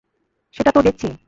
সেটা তো দেখছি।